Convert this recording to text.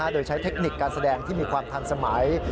โดยใช้เทคนิคการแสดงที่มีความทันสมัย